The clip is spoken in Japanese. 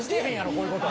こういうこと。